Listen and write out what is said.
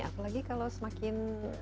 apalagi kalau semakin